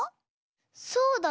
そうだね。